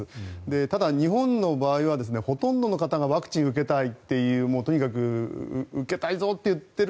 ただ、日本の場合はほとんどの方がワクチンを受けたいというとにかく受けたいぞと言ってる。